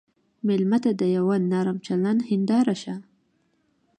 مېلمه ته د یوه نرم چلند هنداره شه.